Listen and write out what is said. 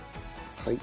はい。